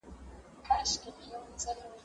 کېدای سي وخت کم وي؟!